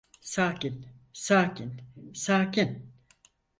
Sakin, sakin, sakin.